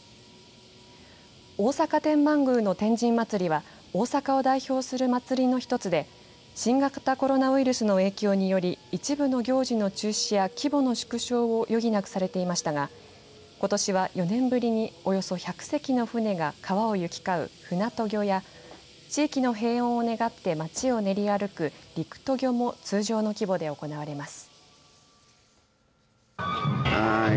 大阪天満宮の天神祭は大阪を代表する祭りの一つで新型コロナウイルスの影響により一部の行事の中止や規模の縮小を余儀なくされていましたがことしは４年ぶりにおよそ１００隻の船が川を行き交う船渡御や地域の平穏を願って街を練り歩く陸渡御も通常の規模で行われます。